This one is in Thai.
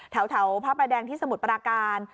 แถวพระประแดงที่สมุทรปราการ